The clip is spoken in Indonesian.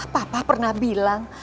papa pernah bilang